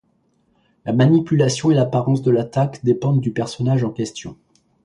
La manipulation et l'apparence de l'attaque dépendent du personnage en question.